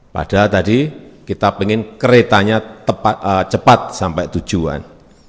padahal tadi kita ingin keretanya cepat sampai tujuan